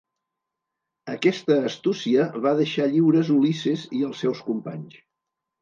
Aquesta astúcia va deixar lliures Ulisses i els seus companys.